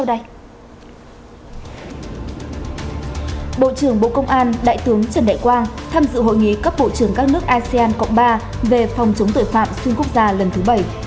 đại tướng trần đại quang tham dự hội nghị cấp bộ trưởng các nước asean cộng ba về phòng chống tội phạm xuyên quốc gia lần thứ bảy